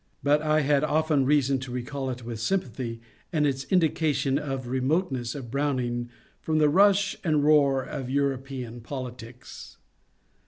But I had often reason to recall it with sympathy, and its indication of the remoteness of Browning from the rush and roar of Euro pean politics.